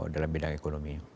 dalam bidang ekonomi